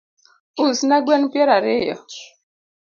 Usna gwen peiro ariyo